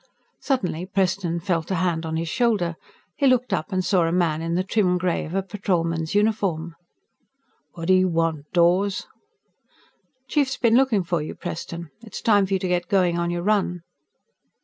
Suddenly, Preston felt a hand on his shoulder. He looked up and saw a man in the trim gray of a Patrolman's uniform. "What do you want, Dawes?" "Chief's been looking for you, Preston. It's time for you to get going on your run."